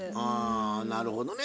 あなるほどね。